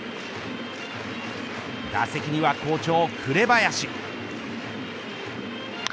打席には好調紅林。